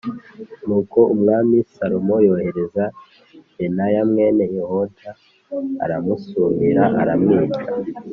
Nuko Umwami Salomo yohereza Benaya mwene Yehoyada, aramusumira aramwica.